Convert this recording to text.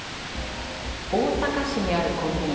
大阪市にあるコンビニ。